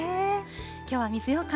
きょうは水ようか